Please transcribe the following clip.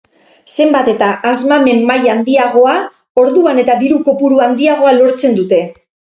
Zenbat eta asmamen maila handiagoa, orsuan eta diru-kopuru handiagoa lortzen dute.